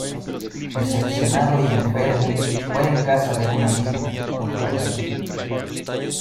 Decepcionado y enfermo, muere en casa de un amigo, junto a Jeanne.